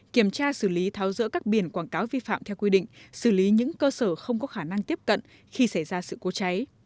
kiểm tra xử lý tháo rỡ các biển quảng cáo vi phạm theo quy định xử lý những cơ sở không có khả năng tiếp cận khi xảy ra sự cố cháy